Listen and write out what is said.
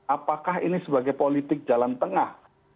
apakah ini sebagai politik jalan tengah